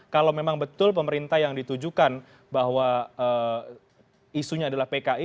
kalau memang betul pemerintah yang ditujukan bahwa isunya adalah pki